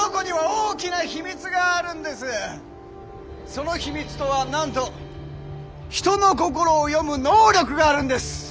その秘密とはなんと人の心を読む能力があるんです！